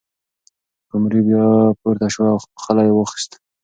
قمري بیا پورته شوه او خلی یې واخیست.